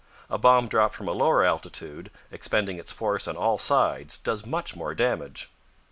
A bomb dropped from a lower altitude, expending its force on all sides, does much more damage.